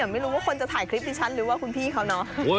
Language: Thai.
แต่ไม่รู้ว่าคนจะถ่ายคลิปดิฉันหรือว่าคุณพี่เขาเนอะ